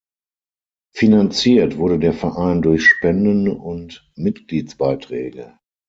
Finanziert wurde der Verein durch Spenden und Mitgliedsbeiträge.